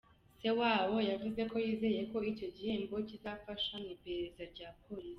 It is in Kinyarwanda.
Se wabo yavuze ko yizeye ko icyo gihembo kizafasha mu iperereza rya polisi.